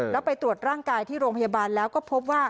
แล้วไปตรวจร่างกายที่โรงพยาบาลแล้วก็พบว่า